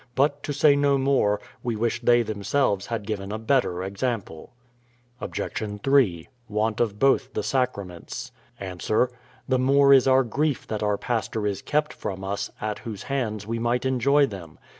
But, to say no more, we wish they themselves had given a better example. Obj : 3. Want of both the sacraments. Ans: The more is our grief that our pastor is kept from us, at whose hands we might enjoy them.